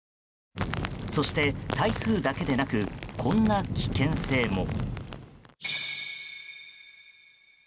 そして、台風だけでなくこんな危険性も。